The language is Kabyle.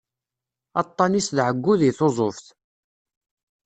Aṭṭan-is d ɛeggu di tuzuft.